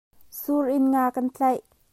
Sur in nga kan tlaih.